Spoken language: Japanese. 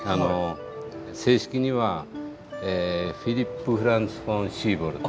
正式にはフィリップ・フランツ・フォン・シーボルト。